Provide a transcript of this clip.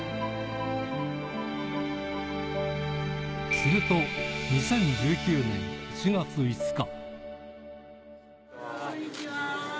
すると２０１９年１月５日。